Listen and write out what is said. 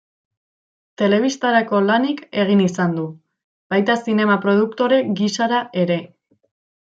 Telebistarako lanik egin izan du, baita zinema produktore gisara ere.